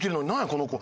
この子。